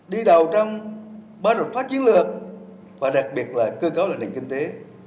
đi đầu trong ba đợt phát chiến lược và đặc biệt là cơ cấu lãnh định kinh tế